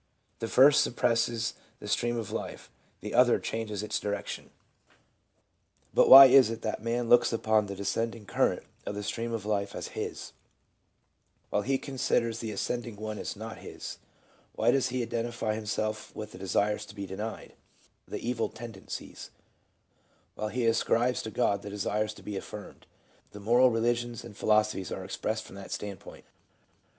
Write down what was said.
The first suppresses the stream of life, the other changes its direction. But why is it that man looks upon the descending current of the stream of life as his, while he considers the ascend ing one as not his? Why does he identify himself with the desires to be denied, the evil tendencies ; while he ascribes to God the desires to be affirmed 1 The moral religions and philosophies are expressed from that standpoint.